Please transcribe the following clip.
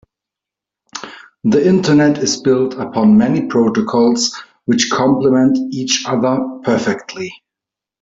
The internet is built upon many protocols which compliment each other perfectly.